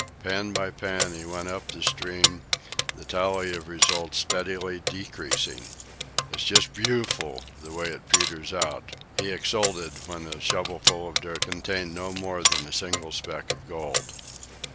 Pan by pan, he went up the stream, the tally of results steadily decreasing. "It's just booful, the way it peters out," he exulted when a shovelful of dirt contained no more than a single speck of gold.